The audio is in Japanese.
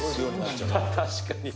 「確かに」